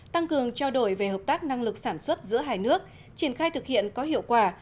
tăng cường trao đổi về hợp tác năng lực sản xuất giữa hai nước triển khai thực hiện có hiệu quả